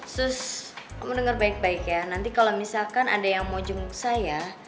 sus kamu denger baik baik ya nanti kalau misalkan ada yang mau jenguk saya